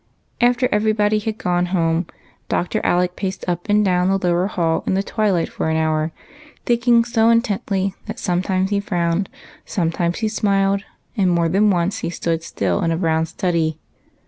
After everybody had gone home. Dr. Alec paced up and down the low^er hall in the twilight for an hour, thinking so intently that sometimes he frowned, some times he smiled, and more than once he stood still in a brown study.